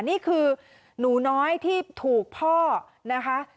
นี่คือหนูน้อยที่ถูกพ่อนะคะ